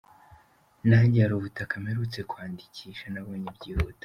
Nanjye hari ubutaka mperutse kwandikisha nabonye byihuta.